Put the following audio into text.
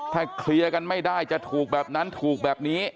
ถ้าเคลียร์กันไม่ได้จะถูกแบบนั้นถูกแบบนี้